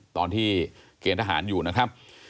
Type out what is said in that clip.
ตอนที่เกณฑ์ทหารอยู่นะครับ